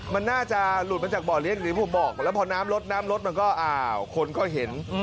มันน่าจะหลุดมาจากเบาะเลี้ยนหรือพวกบอกแล้วพอน้ำลดมันก็ขนก็เห็น